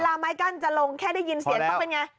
ไม้กั้นจะลงแค่ได้ยินเสียงต้องเป็นไง